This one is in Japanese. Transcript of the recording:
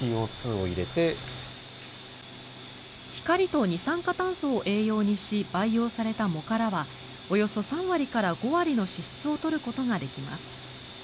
光と二酸化炭素を栄養にし培養された藻からはおよそ３割から５割の脂質を取ることができます。